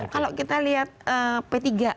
kalau kita lihat p tiga